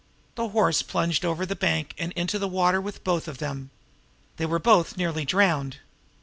The horse plunged over the bank and into the water with both of them. They were both nearly drowned.